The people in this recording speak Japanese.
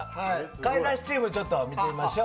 買い出しチームちょっと見てみましょう。